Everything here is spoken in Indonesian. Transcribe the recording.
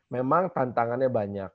memang tantangannya banyak